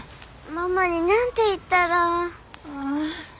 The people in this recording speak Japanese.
ママに何て言ったら。